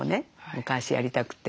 昔やりたくて。